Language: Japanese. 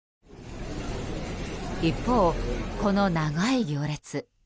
一方、この長い行列。